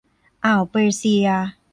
อ่าวเปอร์เซีย